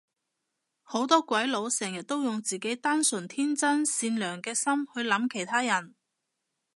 好多鬼佬成日都用自己單純天真善良嘅心去諗其他人